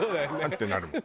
ってなるもん。